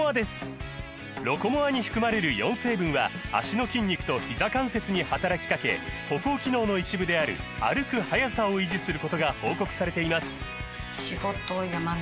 「ロコモア」に含まれる４成分は脚の筋肉とひざ関節に働きかけ歩行機能の一部である歩く速さを維持することが報告されています